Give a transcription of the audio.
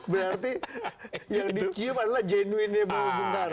berarti yang dicium adalah jenuinnya bung karno